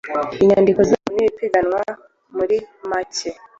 inyandiko zabo z’ ipiganwa murimake.